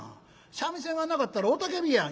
三味線がなかったら雄たけびやん」。